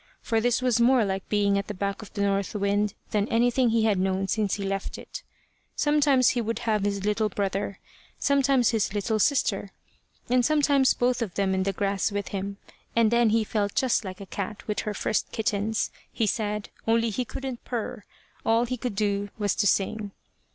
For this was more like being at the back of the north wind than anything he had known since he left it. Sometimes he would have his little brother, sometimes his little sister, and sometimes both of them in the grass with him, and then he felt just like a cat with her first kittens, he said, only he couldn't purr all he could do was to sing.